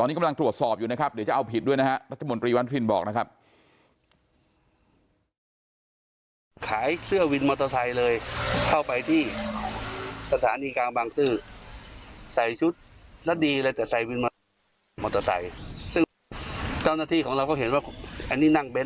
ตอนนี้ก็กำลังตรวจสอบอยู่นะครับเดี๋ยวจะเอาผิดด้วยนะครับ